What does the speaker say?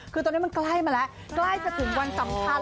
คือตอนนี้มันใกล้มาแล้วใกล้จะถึงวันสำคัญ